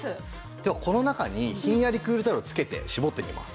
ではこの中にひんやりクールタオルをつけて絞ってみます。